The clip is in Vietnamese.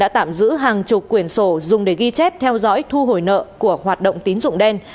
tạm giữ hàng chục quyển sổ dùng để ghi chép theo dõi thu hồi nợ của hoạt động tín dụng đen